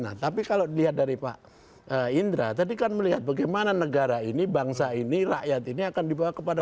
nah tapi kalau dilihat dari pak indra tadi kan melihat bagaimana negara ini bangsa ini rakyat ini akan dibawa kepada